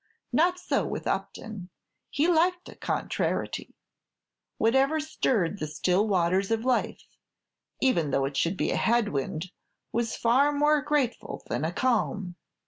Not so with Upton; he liked a "contrariety." Whatever stirred the still waters of life, even though it should be a head wind, was far more grateful than a calm!